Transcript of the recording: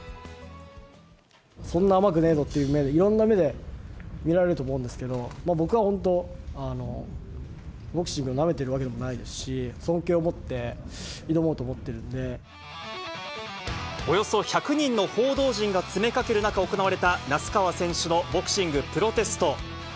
そんな甘くねえぞっていう目で、いろんな目で、見られると思うんですけど、僕は本当、ボクシングなめてるわけでもないですし、尊敬を持って挑もうと思およそ１００人の報道陣が詰めかける中、行われた那須川選手のボクシングプロテスト。